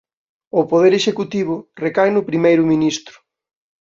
O poder executivo recae no primeiro ministro.